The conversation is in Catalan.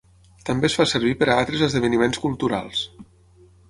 També es fa servir per a altres esdeveniments culturals.